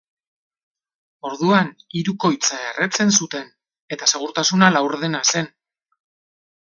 Orduan hirukoitza erretzen zuten eta segurtasuna laurdena zen.